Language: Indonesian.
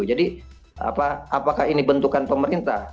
jadi apakah ini bentukan pemerintah